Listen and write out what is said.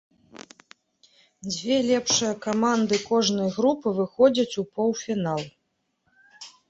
Дзве лепшыя каманды кожнай групы выходзяць у паўфінал.